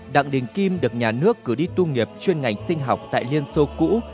đặng đình kim được nhà nước cử đi tu nghiệp chuyên ngành sinh học tại liên xô cũ